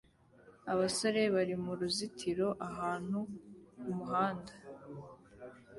abasore bari muruzitiro ahantu h'umwanda